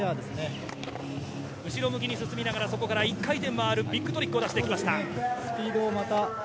後ろ向きに進みながら、一回転回るビッグトリックを出してきました。